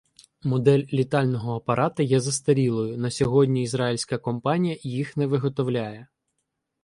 Модель літального апарата є застарілою, на сьогодні ізраїльська компанія їх не виготовляє.